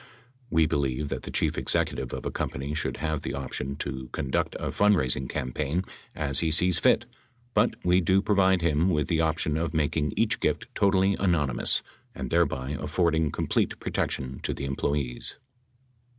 We believe that the chief executive of a company should have the option to conduct a fundraising campaign as he sees fit, but we do provide him with the option of making each gift totally anonymous and thereby affording complete protection to the employees.